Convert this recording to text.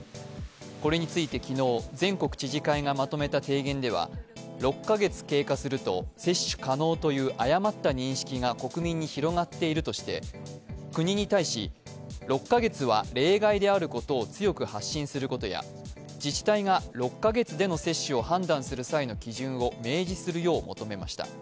これについて昨日、全国知事会がまとめた提言では６カ月経過すると接種可能という誤った認識が国民に広がっているとして、国に対し６カ月は例外であることを強く発信することや自治体が６カ月での接種を判断する際の基準を明示するよう求めました。